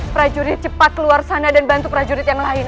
prajurit cepat keluar sana dan bantu prajurit yang lain